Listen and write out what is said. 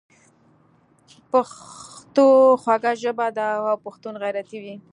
پښتو خوږه ژبه ده او پښتون غیرتي وي.